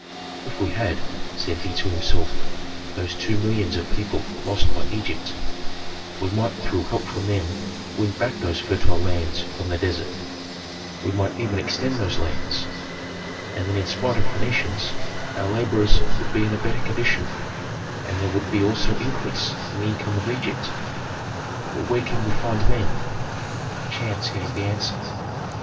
"If we had," said he to himself, "those two millions of people lost by Egypt, we might through help from them win back those fertile lands from the desert, we might even extend those lands. And then in spite of Phœnicians our laborers would be in a better condition, and there would be also increase in the income of Egypt. But where can we find men?" Chance gave the answer.